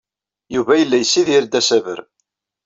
Yuba yella yessidir-d asaber.